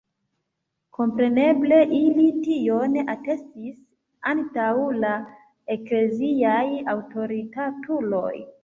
Kompreneble, ili tion atestis antaŭ la ekleziaj aŭtoritatuloj.